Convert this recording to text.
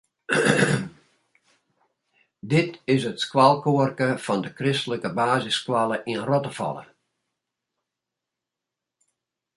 Dit is it skoalkoarke fan de kristlike basisskoalle yn Rottefalle.